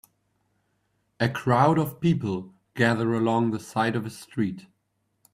A crowd of people gather along the side of a street.